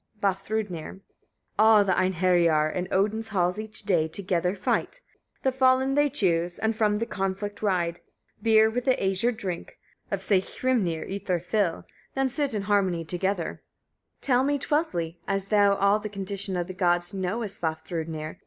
Vafthrûdnir. 41. All the Einheriar in Odin's halls each day together fight; the fallen they choose, and from the conflict ride; beer with the Æsir drink, of Saehrimnir eat their fill, then sit in harmony together. Gagnrâd. 42. Tell me twelfthly, as thou all the condition of the gods knowest, Vafthrûdnir!